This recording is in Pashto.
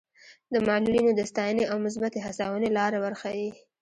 د معلولینو د ستاینې او مثبتې هڅونې لاره ورښيي.